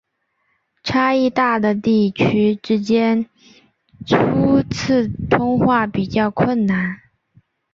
差异大的地区之间初次通话比较困难。